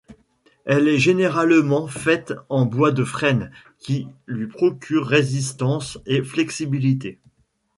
Elle est généralement faite en bois de frêne, qui lui procure résistance et flexibilité.